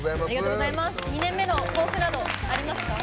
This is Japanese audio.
２年目の抱負などありますか？